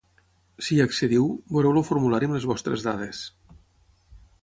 Si hi accediu, veureu el formulari amb les vostres dades.